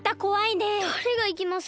だれがいきます？